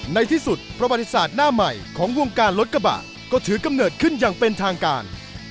ในที่สุดประวัติศาสตร์หน้าใหม่ของวงการรถกระบะก็ถือกำเนิดขึ้นอย่างเป็นทางการ